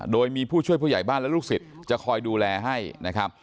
โดยมีผู้ช่วยผู้ใหญ่บ้านและลูกศิษย์จะคอยดูแลให้นะครับ